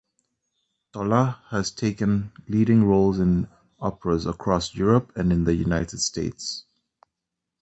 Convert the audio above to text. Tola has taken leading roles in operas across Europe and in the United States.